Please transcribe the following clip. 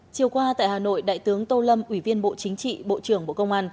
chiều qua tại hà nội đại tướng tô lâm ủy viên bộ chính trị bộ trưởng bộ công an